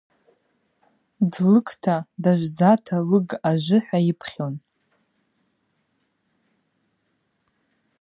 Длыгта, дажвдзата лыг ажвы – хӏва йыпхьун.